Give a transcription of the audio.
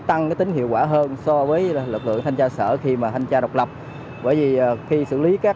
tăng tính hiệu quả hơn so với lực lượng thanh tra sở khi mà thanh tra độc lập bởi vì khi xử lý các